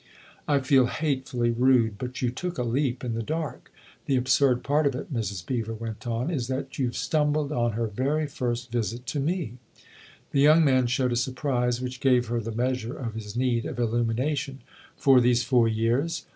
" I feel hatefully rude but you took a leap in the dark. The absurd part of it," Mrs. Beever went on, n8 THE OTHER HOUSE " is that you've stumbled on her very first visit to me." The young man showed a surprise which gave her the measure of his need of illumination. " For these four years